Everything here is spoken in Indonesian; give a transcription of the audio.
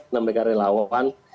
karena mereka relawan